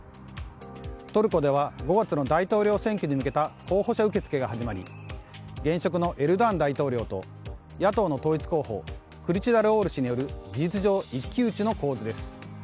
トルコでは５月の大統領選挙に向けた候補者受付が始まり現職のエルドアン大統領と野党の統一候補クルチダルオール氏による事実上、一騎打ちの構図です。